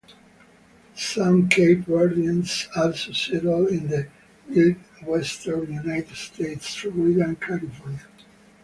Some Cape Verdeans also settled in the Midwestern United States, Florida and California.